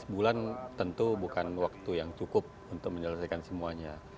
empat belas bulan tentu bukan waktu yang cukup untuk menyelesaikan semuanya